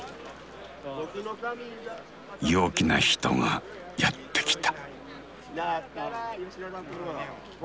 陽気な人がやって来た。